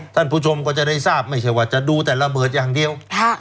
ท่านผู้ชมก็จะได้ทราบไม่ใช่ว่าจะดูแต่ระเบิดอย่างเดียว